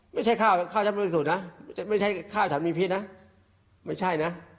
ไม่ใช่ข้าวฉันบริสุทธิ์นะไม่ใช่ข้าวฉันมีพิษนะไม่ใช่นะ